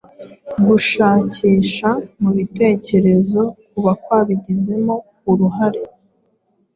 gushakisha mu bitekerezo kuba kwabigizemo uruhare